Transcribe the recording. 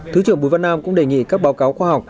thứ trưởng bùi văn nam cũng đề nghị các báo cáo khoa học